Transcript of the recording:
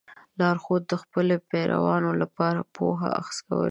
لارښود د خپلو پیروانو لپاره پوهه اخذ کولی شي.